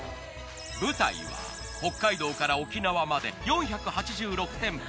舞台は北海道から沖縄まで４８６店舗。